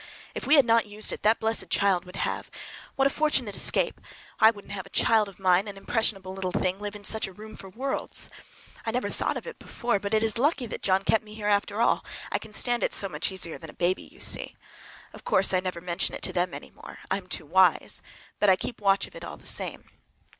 If we had not used it that blessed child would have! What a fortunate escape! Why, I wouldn't have a child of mine, an impressionable little thing, live in such a room for worlds. I never thought of it before, but it is lucky that John kept me here after all. I can stand it so much easier than a baby, you see. Of course I never mention it to them any more,—I am too wise,—but I keep watch of it all the same.